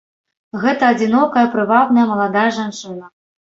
Гэта адзінокая, прывабная, маладая жанчына.